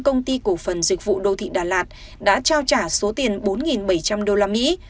công ty cổ phần dịch vụ đô thị đà lạt đã trao trả số tiền bốn bảy trăm linh đô la mỹ